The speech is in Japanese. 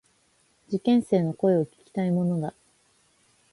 受験生の声を聞きたいものだ。